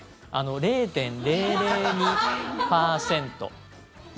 ０．００２％。